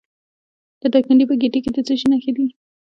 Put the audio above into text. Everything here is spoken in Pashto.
د دایکنډي په ګیتي کې د څه شي نښې دي؟